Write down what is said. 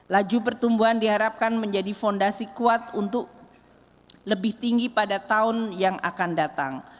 laju pertumbuhan diharapkan menjadi fondasi kuat untuk lebih tinggi pada tahun yang akan datang